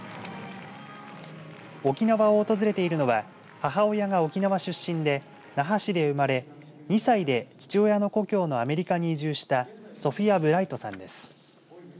沖縄を訪れているのは母親が沖縄出身で那覇市で生まれ２歳で父親の故郷のアメリカに移住したソフィア・ブライトさんです。